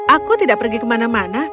aku tidak pergi kemana mana